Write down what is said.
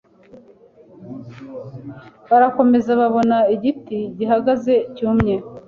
Barakomezababona igiti gihagaze cyumye